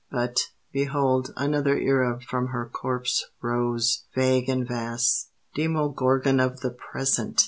But, behold, another era From her corpse rose, vague and vast. Demogorgon of the Present!